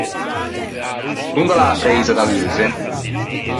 Dond’a l’é a preisa da luxe?